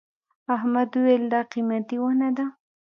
احمد وويل: دا قيمتي ونه ده.